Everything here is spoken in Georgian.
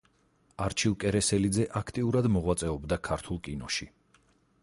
არჩილ კერესელიძე აქტიურად მოღვაწეობდა ქართულ კინოში.